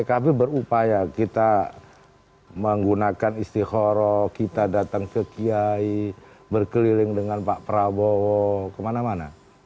pkb berupaya kita menggunakan istihoroh kita datang ke kiai berkeliling dengan pak prabowo kemana mana